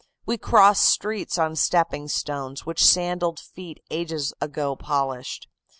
We cross streets on stepping stones which sandaled feet ages ago polished.